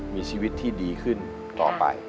มีชีวิตที่ดีขึ้นต่อไป